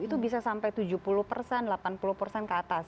itu bisa sampai tujuh puluh persen delapan puluh persen ke atas